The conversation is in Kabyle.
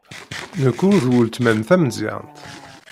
Nekk ur d weltma-m tameẓyant.